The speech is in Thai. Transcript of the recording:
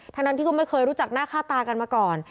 ทั้งนั้นที่ก็ไม่เคยรู้จักหน้าค่าตากันมาก่อน